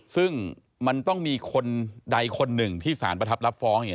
ซึ่งมันต้องมีคนใดคนหนึ่งที่สารประทับรับฟ้อง